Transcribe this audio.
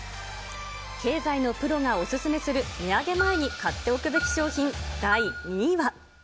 経済のプロがお勧めする値上げ前に買っておくべき商品第２位は。